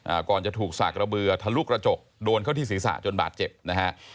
ก่อนจะถูกสากระเบือทะลุกระจกโดนเข้าที่ศีรษะจนบาดเจ็บนะฮะ